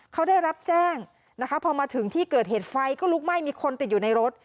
เขาได้รับแจ้งนะคะพอมาถึงที่เกิดเหตุไฟก็ลุกไหม้มีคนติดอยู่ในรถ